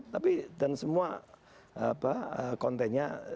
tapi dan semua kontennya